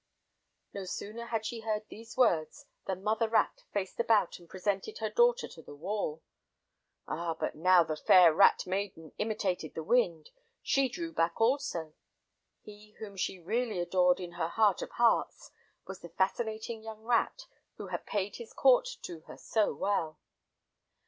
No sooner had she heard these words than mother rat faced about and presented her daughter to the wall. Ah, but now the fair rat maiden imitated the wind; she drew back also. He whom she really adored in her heart of hearts was the fascinating young rat who had paid his court to her so well.